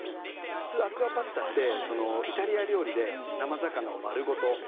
普通アクアパッツァってイタリア料理で生魚を丸ごと煮る料理なんですけど。